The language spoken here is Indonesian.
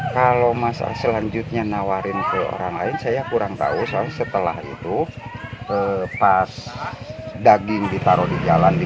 kalau mas selanjutnya nawarin ke orang lain saya kurang tahu soal setelah itu pas daging ditaruh di jalan